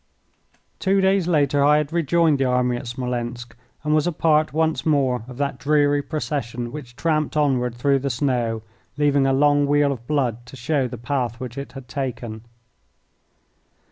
Two days later I had rejoined the army at Smolensk, and was a part once more of that dreary procession which tramped onward through the snow, leaving a long weal of blood to show the path which it had taken.